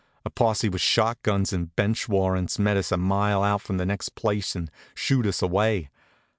A posse with shot guns and bench warrants met us a mile out from the next place and shooed us away.